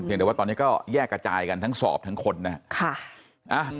แต่ว่าตอนนี้ก็แยกกระจายกันทั้งสอบทั้งคนนะครับ